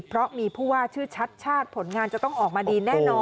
เพราะมีผู้ว่าชื่อชัดชาติผลงานจะต้องออกมาดีแน่นอน